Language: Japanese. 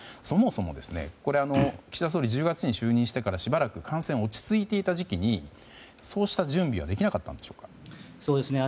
そもそも岸田総理、１０月に就任してからしばらく感染が落ち着いていた時期にそうした準備はできなかったんでしょうか。